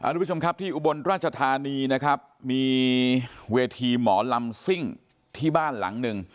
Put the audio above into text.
ทุกผู้ชมครับที่อุบลราชธานีนะครับมีเวทีหมอลำซิ่งที่บ้านหลังหนึ่ง